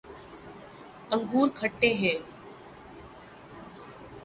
انگور کھٹے ہیں